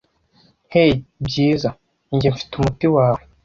hey byiza njye mfite umuti wawe